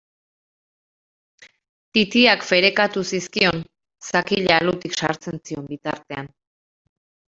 Titiak ferekatu zizkion sakila alutik sartzen zion bitartean.